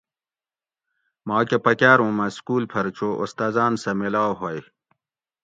ماکہ پکاۤر اُوں مۤہ سکول پھر چو استازاۤن سہ میلاؤ ہوئے